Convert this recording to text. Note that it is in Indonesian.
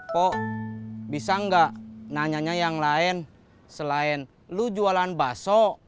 pok bisa nggak nanyanya yang lain selain lu jualan baso